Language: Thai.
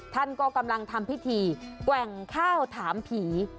ท่านก็กำลังทำพิธีแกว่งข้าวถามผี